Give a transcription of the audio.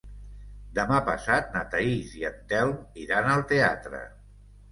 Demà passat na Thaís i en Telm iran al teatre.